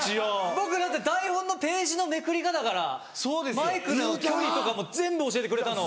僕だって台本のページのめくり方からマイクの距離とかも全部教えてくれたの。